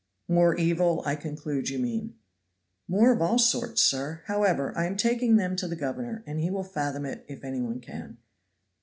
"More evil, I conclude you mean?" "More of all sorts, sir. However, I am taking them to the governor, and he will fathom it, if any one can."